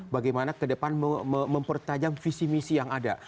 bagaimana kedepan mempertajam visi misi yang ada